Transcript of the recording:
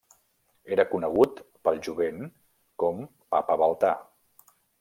Era conegut pel jovent com Papa Baltà.